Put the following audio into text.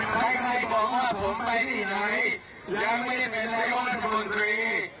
ใครบอกว่าผมไปที่ไหนยังไม่ได้เห็นในร่วมธรรมดรี